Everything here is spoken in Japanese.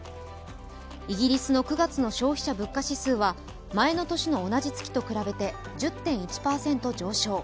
イギリスの９月の消費者物価指数は前の年の同じ月と比べて１０．１％上昇。